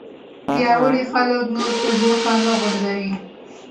پیاوړي خلک نور په ځمکه نه غورځوي.